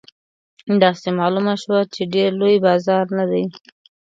داسې معلومه شوه چې ډېر لوی بازار نه دی.